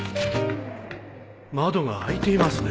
窓が開いていますね